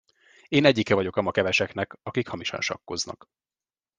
Én egyike vagyok ama keveseknek, akik hamisan sakkoznak.